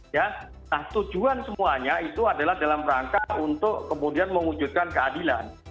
nah tujuan semuanya itu adalah dalam rangka untuk kemudian mewujudkan keadilan